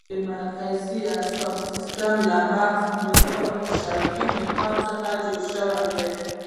د مرکزي اعصابو سیستم له مغز او شوکي نخاع څخه جوړ شوی دی.